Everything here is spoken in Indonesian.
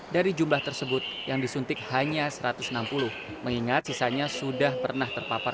dari jumlah tersebut yang disuntik hanya satu ratus enam puluh mengingat sisanya sudah pernah terpapar